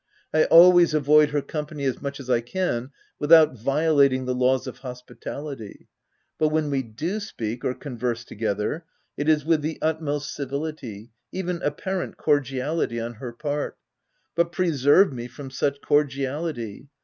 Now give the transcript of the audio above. I always avoid her company as much as I can without violating the laws of hospitality ; but when we do speak or converse together, it is with the utmost civility— even apparent cor diality on her part ; but preserve me from such cordiality